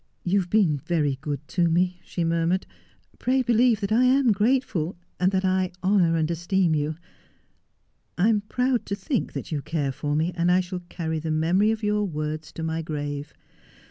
' You have been very good to me,' she murmured. ' Pray believe that I am grateful, and that I honour and esteem you. I am proud to think that you care for me, and I shall cany the memory of your words to my grave.